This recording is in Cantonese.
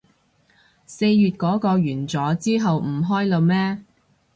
四月嗰個完咗，之後唔開喇咩